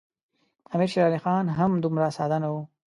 امیر شېر علي خان هم دومره ساده نه وو.